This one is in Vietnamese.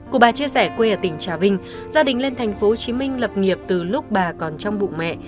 cụ bà chia sẻ quê ở tỉnh trà vinh gia đình lên thành phố hồ chí minh lập nghiệp từ lúc bà còn trong bụng mẹ